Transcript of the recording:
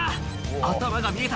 頭が見えた」